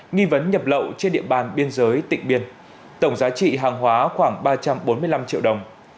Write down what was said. nghi vấn nhập lậu trên địa bàn biên giới tỉnh biên tổng giá trị hàng hóa khoảng ba trăm bốn mươi năm triệu đồng